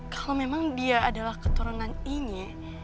kalau memang dia adalah keturunan i nya